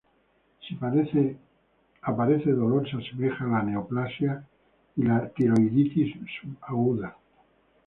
Si aparece dolor se asemeja a la neoplasia y la tiroiditis subaguda.